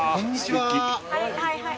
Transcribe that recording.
はいはいはい。